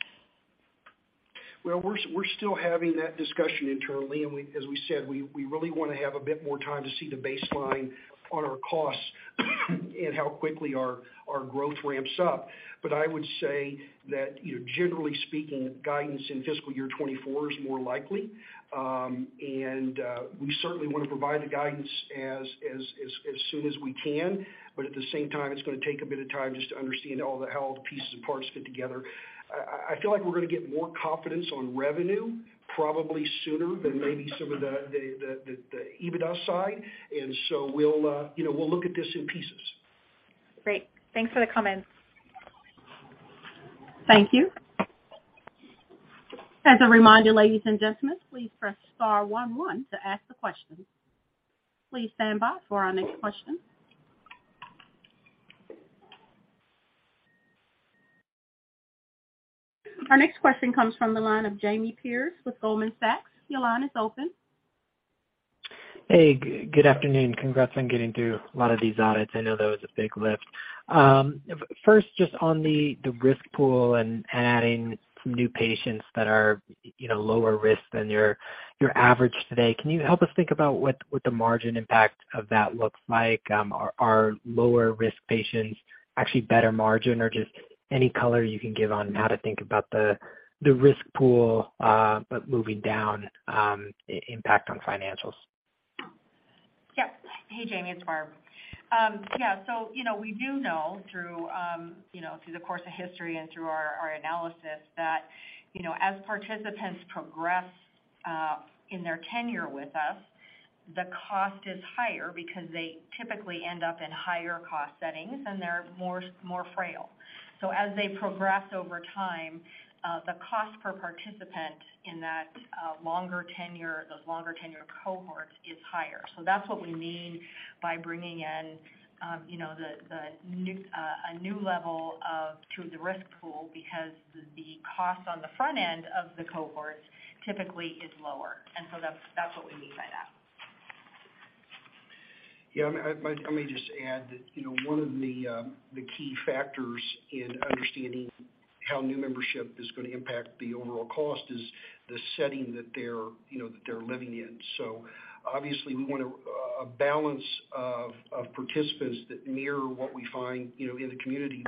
Well, we're still having that discussion internally, as we said, we really wanna have a bit more time to see the baseline on our costs and how quickly our growth ramps up. I would say that, you know, generally speaking, guidance in fiscal year 2024 is more likely. We certainly wanna provide the guidance as soon as we can, but at the same time, it's gonna take a bit of time just to understand how all the pieces and parts fit together. I feel like we're gonna get more confidence on revenue probably sooner than maybe some of the EBITDA side. We'll, you know, we'll look at this in pieces. Great. Thanks for the comments. Thank you. As a reminder, ladies and gentlemen, please press Star One One to ask the question. Please stand by for our next question. Our next question comes from the line of Jamie Perse with Goldman Sachs. Your line is open. Hey. Good afternoon. Congrats on getting through a lot of these audits. I know that was a big lift. First, just on the risk pool and adding some new patients that are, you know, lower risk than your average today, can you help us think about what the margin impact of that looks like? Are, are lower risk patients actually better margin? Or just any color you can give on how to think about the risk pool, but moving down, impact on financials? Yep. Hey, Jamie, it's Barb. Yeah. You know, we do know through, you know, through the course of history and through our analysis that, you know, as participants progress, in their tenure with us, the cost is higher because they typically end up in higher cost settings, and they're more frail. As they progress over time, the cost per participant in that, longer tenure, those longer tenure cohorts is higher. That's what we mean by bringing in, you know, the, a new level to the risk pool because the cost on the front end of the cohorts typically is lower. That's, that's what we mean by that. Yeah, I may just add that, you know, one of the key factors in understanding how new membership is gonna impact the overall cost is the setting that they're, you know, that they're living in. Obviously we want a balance of participants that mirror what we find, you know, in the community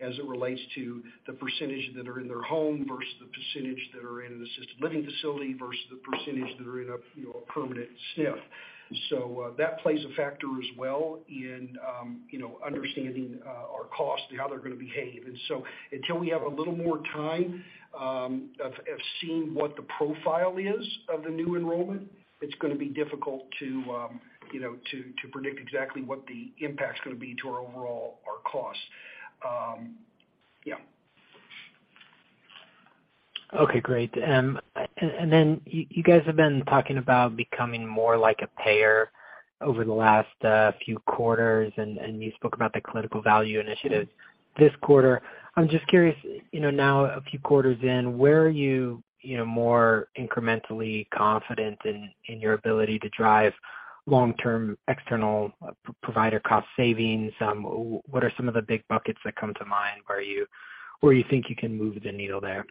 as it relates to the percentage that are in their home versus the percentage that are in an assisted living facility versus the percentage that are in a, you know, a permanent SNF. That plays a factor as well in, you know, understanding our costs and how they're gonna behave. Until we have a little more time, of seeing what the profile is of the new enrollment, it's gonna be difficult to, you know, to predict exactly what the impact's gonna be to our overall, our costs. Yeah. Okay, great. Then you guys have been talking about becoming more like a payer over the last few quarters, and you spoke about the clinical value initiatives this quarter. I'm just curious, you know, now a few quarters in, where are you know, more incrementally confident in your ability to drive long-term external provider cost savings? What are some of the big buckets that come to mind where you, where you think you can move the needle there?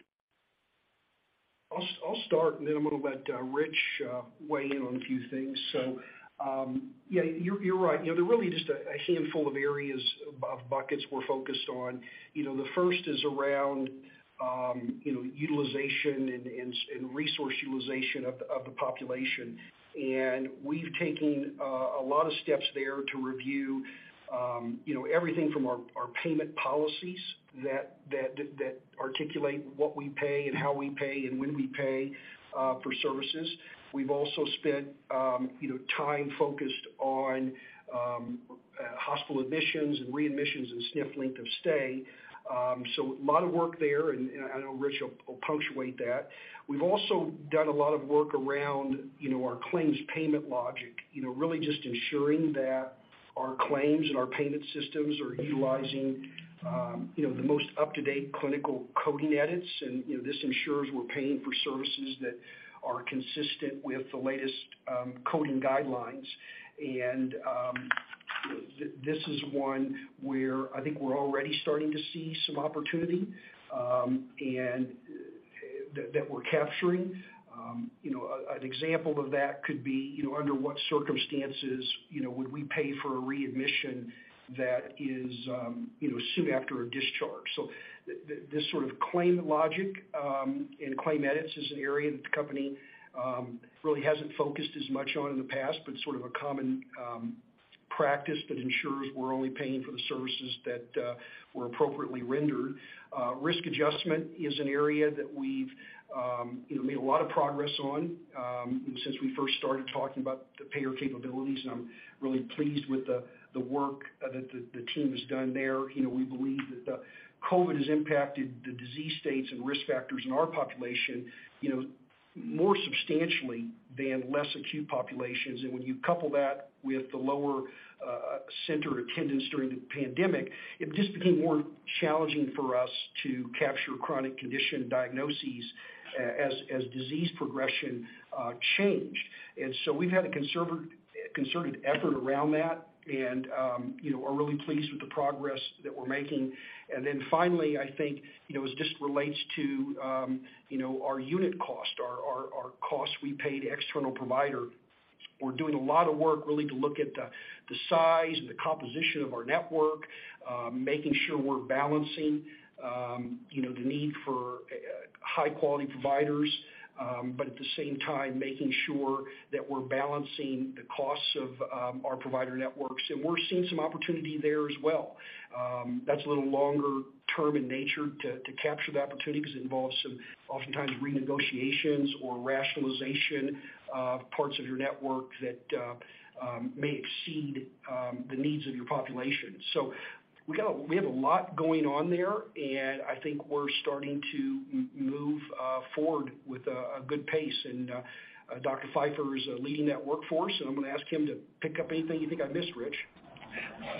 I'll start and then I'm gonna let Rich weigh in on a few things. Yeah, you're right. You know, there are really just a handful of areas of buckets we're focused on. You know, the first is around, you know, utilization and resource utilization of the population. We've taken a lot of steps there to review, you know, everything from our payment policies that articulate what we pay and how we pay and when we pay for services. We've also spent, you know, time focused on hospital admissions and readmissions and SNF length of stay. A lot of work there, and I know Rich will punctuate that. We've also done a lot of work around, you know, our claims payment logic, you know, really just ensuring that our claims and our payment systems are utilizing, you know, the most up-to-date clinical coding edits. This ensures we're paying for services that are consistent with the latest, coding guidelines. This is one where I think we're already starting to see some opportunity, and that we're capturing. You know, an example of that could be, you know, under what circumstances, you know, would we pay for a readmission that is, you know, soon after a discharge. This sort of claim logic, and claim edits is an area that the company really hasn't focused as much on in the past, but sort of a common practice that ensures we're only paying for the services that were appropriately rendered. Risk adjustment is an area that we've, you know, made a lot of progress on since we first started talking about the payer capabilities, and I'm really pleased with the work that the team has done there. You know, we believe that COVID has impacted the disease states and risk factors in our population, you know, more substantially than less acute populations. When you couple that with the lower center attendance during the pandemic, it just became more challenging for us to capture chronic condition diagnoses as disease progression changed. We've had a concerted effort around that and, you know, are really pleased with the progress that we're making. Finally, I think, you know, as this relates to, you know, our unit cost, our costs we pay to external provider, we're doing a lot of work really to look at the size and the composition of our network, making sure we're balancing, you know, the need for high quality providers, but at the same time making sure that we're balancing the costs of our provider networks. We're seeing some opportunity there as well. That's a little longer term in nature to capture the opportunity 'cause it involves some oftentimes renegotiations or rationalization of parts of your network that may exceed the needs of your population. We have a lot going on there, and I think we're starting to move forward with a good pace. Dr. Feifer is leading that workforce, so I'm gonna ask him to pick up anything you think I missed, Rich.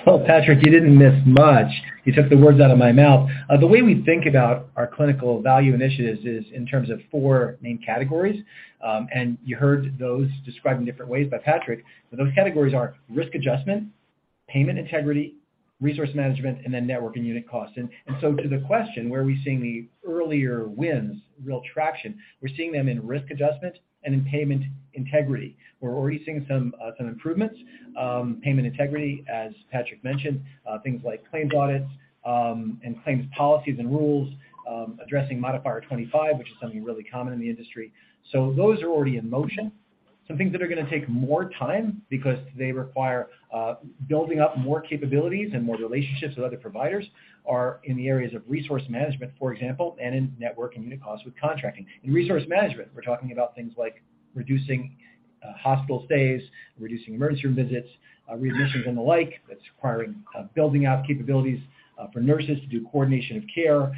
Well, Patrick, you didn't miss much. You took the words out of my mouth. The way we think about our clinical value initiatives is in terms of four main categories. You heard those described in different ways by Patrick. Those categories are risk adjustment, payment integrity, resource management, and then network and unit costs. To the question, where are we seeing the earlier wins, real traction, we're seeing them in risk adjustment and in payment integrity. We're already seeing some improvements. Payment integrity, as Patrick mentioned, things like claims audits, and claims policies and rules, addressing Modifier 25, which is something really common in the industry. Those are already in motion. Some things that are gonna take more time because they require building up more capabilities and more relationships with other providers are in the areas of resource management, for example, and in network and unit costs with contracting. In resource management, we're talking about things like reducing hospital stays, reducing emergency room visits, readmissions and the like. That's requiring building out capabilities for nurses to do coordination of care,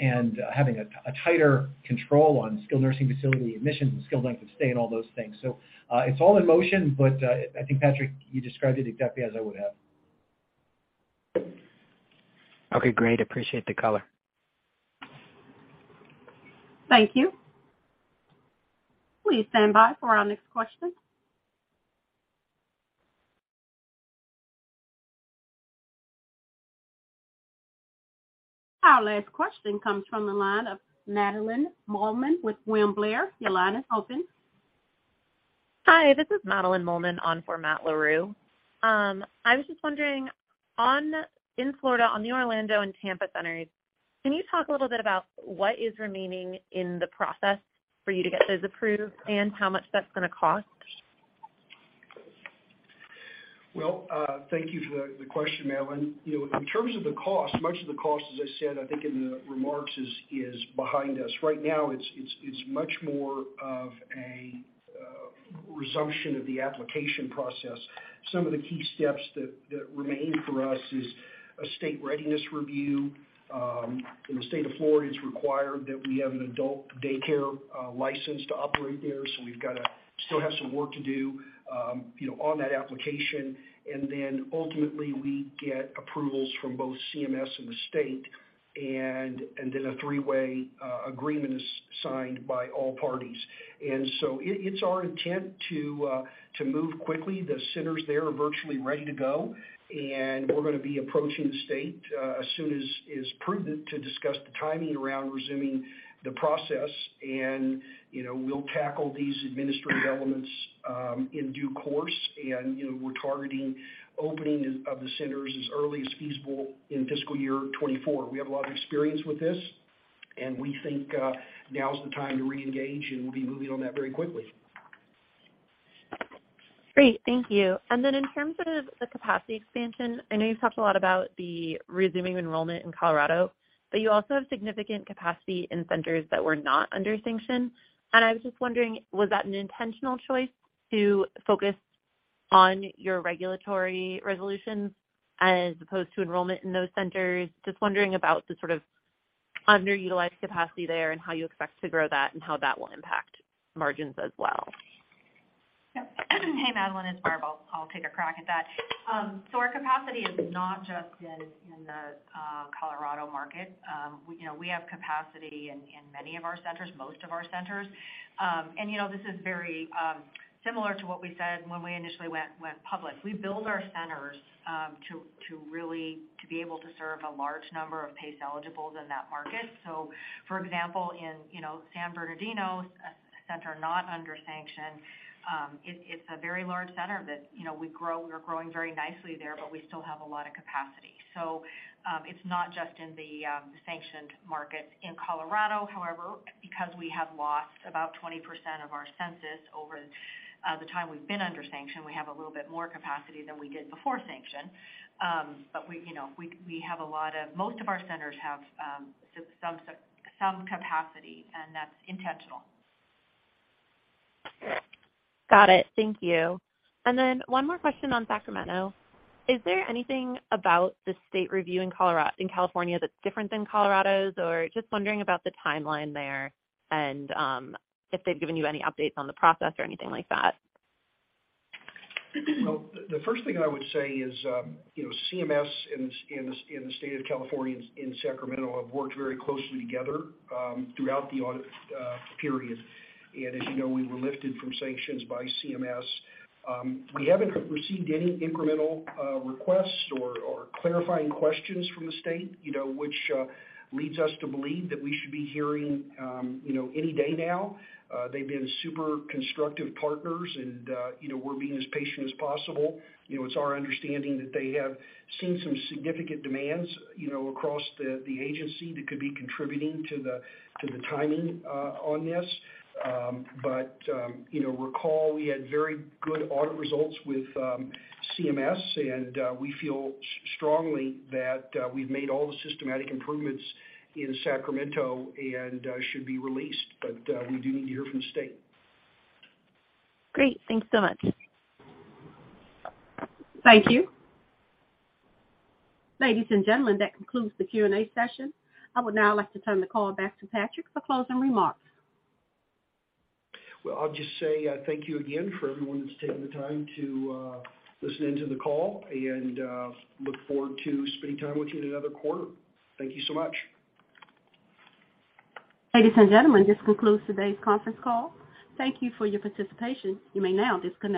and having a tighter control on skilled nursing facility admissions and skilled length of stay and all those things. It's all in motion, but, I think Patrick, you described it exactly as I would have. Okay, great. Appreciate the color. Thank you. Please stand by for our next question. Our last question comes from the line of Madeline Mollman with William Blair. Your line is open. Hi, this is Madeline Mollman on for Matt Larew. I was just wondering in Florida, on the Orlando and Tampa centers, can you talk a little bit about what is remaining in the process for you to get those approved and how much that's gonna cost? Well, thank you for the question, Madeline. You know, in terms of the cost, much of the cost, as I said, I think in the remarks is behind us. Right now, it's much more of a resumption of the application process. Some of the key steps that remain for us is a state readiness review. In the state of Florida, it's required that we have an adult daycare license to operate there, so we've got to still have some work to do, you know, on that application. Ultimately, we get approvals from both CMS and the state and then a three-way agreement is signed by all parties. It's our intent to move quickly. The centers there are virtually ready to go, and we're gonna be approaching the state as soon as is prudent to discuss the timing around resuming the process. You know, we'll tackle these administrative elements in due course. You know, we're targeting opening of the centers as early as feasible in fiscal year 2024. We have a lot of experience with this, and we think now is the time to reengage, and we'll be moving on that very quickly. Great. Thank you. In terms of the capacity expansion, I know you've talked a lot about the resuming enrollment in Colorado, but you also have significant capacity in centers that were not under sanction. I was just wondering, was that an intentional choice to focus on your regulatory resolution as opposed to enrollment in those centers? Just wondering about the sort of underutilized capacity there and how you expect to grow that and how that will impact margins as well. Yep. Hey, Madeline, it's Barb. I'll take a crack at that. Our capacity is not just in the Colorado market. You know, we have capacity in many of our centers, most of our centers. You know, this is very similar to what we said when we initially went public. We build our centers to really to be able to serve a large number of PACE eligibles in that market. For example, in, you know, San Bernardino, a center not under sanction, it's a very large center that, you know, we grow. We're growing very nicely there, but we still have a lot of capacity. It's not just in the sanctioned market in Colorado. Because we have lost about 20% of our census over the time we've been under sanction, we have a little bit more capacity than we did before sanction. You know, Most of our centers have some capacity, and that's intentional. Got it. Thank you. One more question on Sacramento. Is there anything about the state review in California that's different than Colorado's? Just wondering about the timeline there and if they've given you any updates on the process or anything like that. Well, the first thing I would say is, you know, CMS in the state of California, in Sacramento, have worked very closely together, throughout the audit period. As you know, we were lifted from sanctions by CMS. We haven't received any incremental requests or clarifying questions from the state, you know, which leads us to believe that we should be hearing, you know, any day now. They've been super constructive partners and, you know, we're being as patient as possible. You know, it's our understanding that they have seen some significant demands, you know, across the agency that could be contributing to the timing on this. You know, recall we had very good audit results with CMS and we feel strongly that we've made all the systematic improvements in Sacramento and should be released. We do need to hear from the state. Great. Thank you so much. Thank you. Ladies and gentlemen, that concludes the Q&A session. I would now like to turn the call back to Patrick for closing remarks. Well, I'll just say, thank you again for everyone that's taking the time to listen in to the call and look forward to spending time with you in another quarter. Thank you so much. Ladies and gentlemen, this concludes today's conference call. Thank you for your participation. You may now disconnect.